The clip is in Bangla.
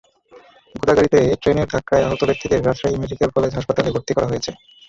গোদাগাড়ীতে ট্রেনের ধাক্কায় আহত ব্যক্তিদের রাজশাহী মেডিকেল কলেজ হাসপাতালে ভর্তি করা হয়েছে।